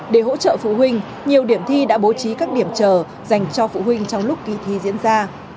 để hỗ trợ phụ huynh nhiều điểm thi đã bố trí các điểm chờ dành cho phụ huynh trong lúc kỳ thi diễn ra